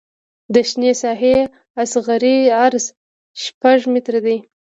د شنې ساحې اصغري عرض شپږ متره دی